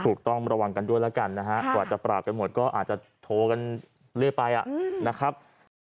ถูกต้องระวังกันด้วยแล้วกันนะฮะกว่าจะปราบกันหมดก็อาจจะโทรกันเรื่อยไปนะครับ